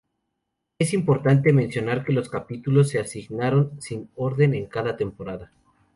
Es importante mencionar que los capítulos se asignaron sin orden en cada temporada.